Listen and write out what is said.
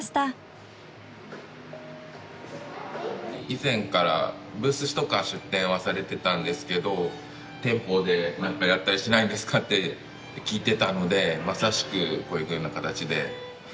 以前からブースとか出店はされてたんですけど店舗で何かやったりしないんですかって聞いてたのでまさしくこういうふうな形で。